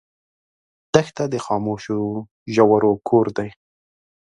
دښته د خاموشو ژورو کور دی.